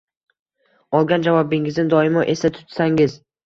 Olgan javobingizni doimo esda tutsangiz